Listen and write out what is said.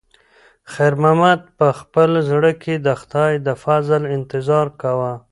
خیر محمد په خپل زړه کې د خدای د فضل انتظار کاوه.